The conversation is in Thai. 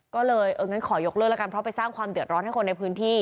ก็เลยเอองั้นขอยกเลิกแล้วกันเพราะไปสร้างความเดือดร้อนให้คนในพื้นที่